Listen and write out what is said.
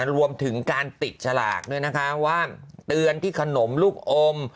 รวมถึงการติดฉลากด้วยนะคะว่าเตือนที่ขนมลูกอม